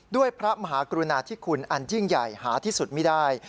พระมหากรุณาธิคุณอันยิ่งใหญ่หาที่สุดไม่ได้